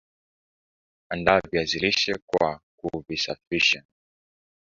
Andaa viazi lishe kwa kuvisafisha